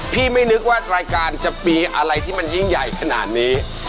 ไม่นึกว่ารายการจะมีอะไรที่มันยิ่งใหญ่ขนาดนี้